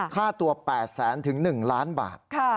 ค่าตัว๘แสนถึง๑ล้านบาท